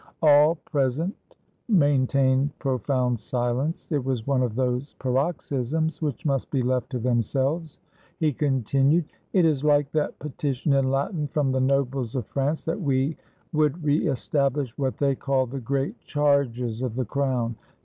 All present maintained profound silence. It was one of those paroxysms which must be left to themselves. He continued: — "It is like that petition in Latin from the nobles of France, that we would reestablish what they call the great charges of the crown!